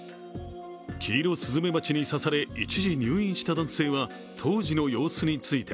キイロスズメバチに刺され一時入院した男性は当時の様子について